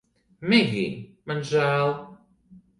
Megij, man žēl